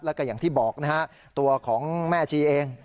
แล้วก็อย่างที่บอกนะฮะตัวของแม่ชีเอง